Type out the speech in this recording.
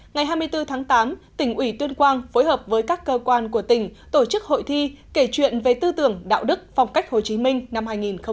ngày hai mươi bốn tháng tám tỉnh ủy tuyên quang phối hợp với các cơ quan của tỉnh tổ chức hội thi kể chuyện về tư tưởng đạo đức phong cách hồ chí minh năm hai nghìn một mươi chín